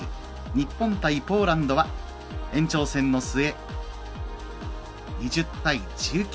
日本対ポーランドは延長戦の末、２０対１９